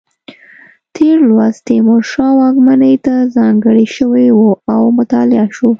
تېر لوست تیمورشاه واکمنۍ ته ځانګړی شوی و او مطالعه شو.